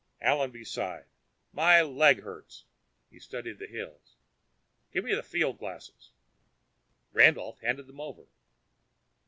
Allenby sighed. "My leg hurts." He studied the hills. "Give me the field glasses." Randolph handed them over.